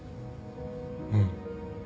うん。